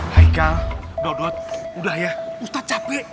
haikal dodot udah ya ustad capek